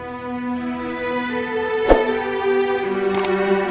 berhubungan dengan peringatan